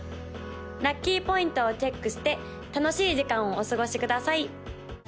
・ラッキーポイントをチェックして楽しい時間をお過ごしください！